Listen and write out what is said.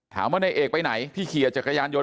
ถามว่านายเอกไปไหนที่ขี่จักรยานยนต